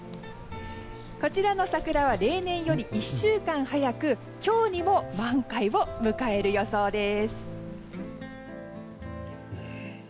こちらの桜は例年より１週間早く今日にも満開を迎える予想です。